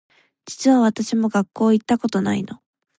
実は私も学校行ったことないの